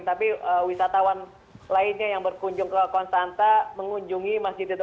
tapi wisatawan lainnya yang berkunjung ke konstanta mengunjungi masjid itu